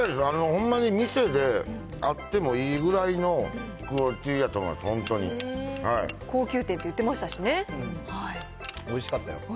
ほんまに店であってもいいぐらいのクオリティーやと思います、本高級店って言ってましたもんおいしかったよ。